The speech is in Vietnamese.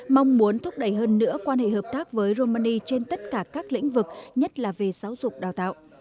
mong muốn thúc đẩy hơn nữa quan hệ hợp tác với romani trên tất cả các lĩnh vực nhất là về giáo dục đào tạo